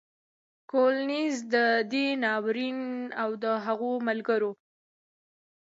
کولینز د دې ناورین او د هغو ملګرو